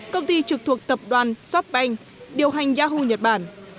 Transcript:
công ty trực thuộc tập đoàn softbank điều hành yahoo nhật bản